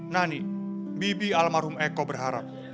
nah ini bibi almarhum eko berharap